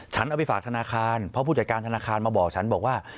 ฉันเอาไปฝากธนาคารเพราะผู้จัดการธนาคารมาบอกฉันบอกว่า